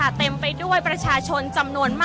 อาจจะออกมาใช้สิทธิ์กันแล้วก็จะอยู่ยาวถึงในข้ามคืนนี้เลยนะคะ